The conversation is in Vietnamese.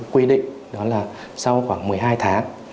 quy định đó là sau khoảng một mươi hai tháng